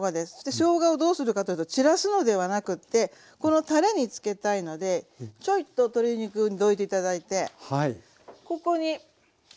しょうがをどうするかというと散らすのではなくってこのたれにつけたいのでちょいと鶏肉をどいて頂いてここに。